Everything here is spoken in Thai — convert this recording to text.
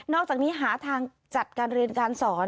อกจากนี้หาทางจัดการเรียนการสอน